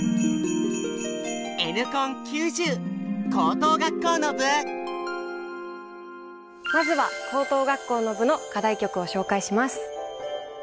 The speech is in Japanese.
私はまずは高等学校の部の課題曲を紹介します。